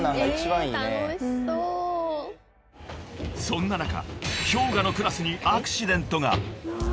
［そんな中ＨｙＯｇＡのクラスにアクシデントが］